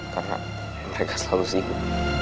karena mereka selalu sibuk